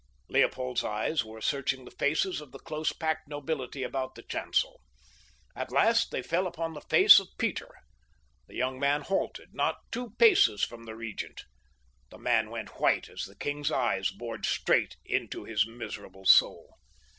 Leopold's eyes were searching the faces of the close packed nobility about the chancel. At last they fell upon the face of Peter. The young man halted not two paces from the Regent. The man went white as the king's eyes bored straight into his miserable soul.